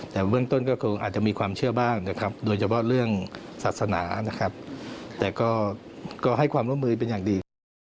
แต่เบื้องต้นก็คงอาจจะมีความเชื่อบ้างนะครับโดยเฉพาะเรื่องศาสนานะครับแต่ก็ให้ความร่วมมือเป็นอย่างดีครับ